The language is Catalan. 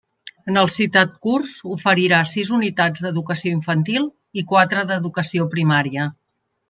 En el citat curs oferirà sis unitats d'Educació Infantil i quatre d'Educació Primària.